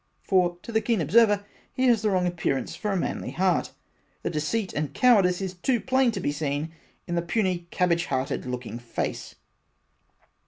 For to a keen observer he has the wrong appearance or a manly heart the deceit and cowardice is too plain to be seen in the puny cabbage hearted looking face.